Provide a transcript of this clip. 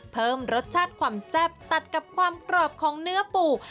เพิ่มรสชาติความแซ่บตัดกับความกรอบของเนื้อปู